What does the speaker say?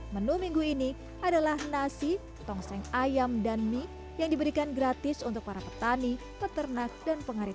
menu minggu ini adalah nasi tongseng ayam dan mie yang diberikan gratis untuk para petani peternak dan pengari